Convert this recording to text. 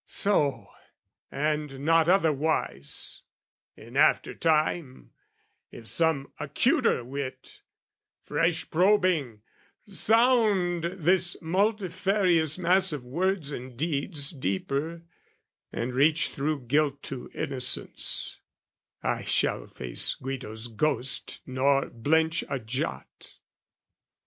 So and not otherwise, in after time, If some acuter wit, fresh probing, sound This multifarious mass of words and deeds Deeper, and reach through guilt to innocence, I shall face Guido's ghost nor blench a jot.